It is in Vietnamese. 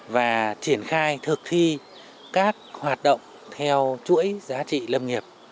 và triển khai thực thi các hoạt động theo chuỗi giá trị lâm nghiệp